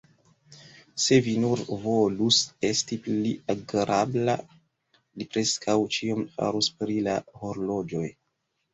Se vi nur volus esti pli agrabla, li preskaŭ ĉion farus pri la horloĝoj.